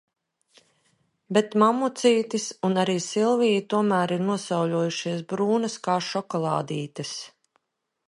Bet mammucītis un arī Silvija tomēr ir nosauļojušās brūnas kā šokolādītes.